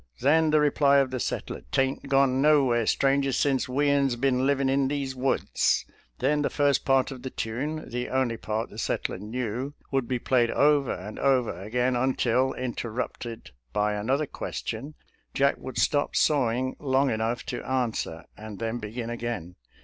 then the reply of the settler, " Tain't gone nowhere, stranger, since we'uns bin livin' in these woods." Then the first part of the tune — the only part the settler knew — would be played over and over again until, interrupted by another ques tion, Jack would stop sawing long enough to an swer and then begin again.